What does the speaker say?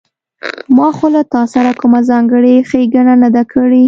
ما خو له تاسره کومه ځانګړې ښېګڼه نه ده کړې